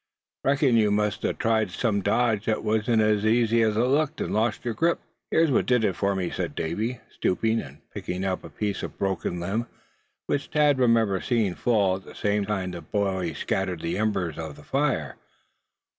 Reckon you must a tried some dodge that wasn't as easy as it looked, and you lost your grip." "Here's what did it for me," said Davy, stooping, and picking up a piece of broken limb, which Thad remembered seeing fall at the same time the boy scattered the embers of the fire.